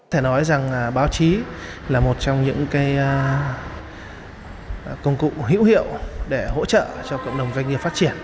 thể nói rằng báo chí là một trong những công cụ hữu hiệu để hỗ trợ cho cộng đồng doanh nghiệp phát triển